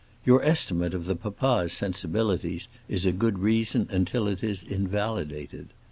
Your estimate of the papa's sensibilities is a good reason until it is invalidated.